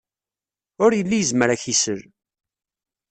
Ur yelli yezmer ad ak-isel.